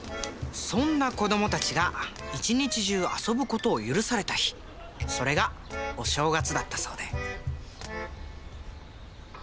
そんな子どもたちが一日中遊ぶ事を許された日それがお正月だったそうで。